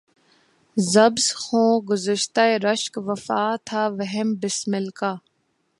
ز بس خوں گشتۂ رشک وفا تھا وہم بسمل کا